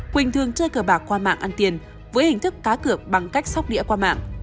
quỳnh thường chơi cờ bạc qua mạng ăn tiền với hình thức cá cược bằng cách sóc đĩa qua mạng